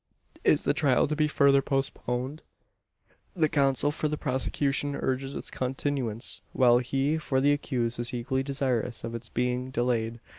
Is the trial to be further postponed? The counsel for the prosecution urges its continuance; while he for the accused is equally desirous of its being delayed.